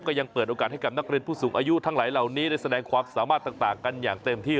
ยังเปิดโอกาสให้กับนักเรียนผู้สูงอายุทั้งหลายเหล่านี้ได้แสดงความสามารถต่างกันอย่างเต็มที่